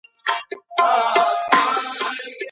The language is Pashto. ولي کوښښ کوونکی د هوښیار انسان په پرتله برخلیک بدلوي؟